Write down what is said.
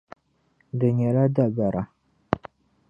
Di nyɛla dabara.